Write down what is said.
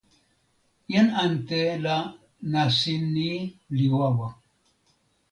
jan ante la nasin ni li wawa.